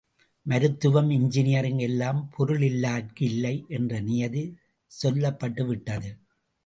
மருத்துவம் இஞ்சினியரிங் எல்லாம் பொருளில்லார்க்கு இல்லை என்ற நியதி சொல்லப்பட்டுவிட்டது.